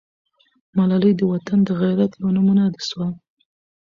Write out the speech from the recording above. ملالۍ د وطن د غیرت یوه نمونه سوه.